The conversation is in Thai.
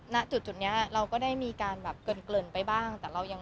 ณจุดนี้เราก็ได้มีการเกินเกลิ่นไปบ้าง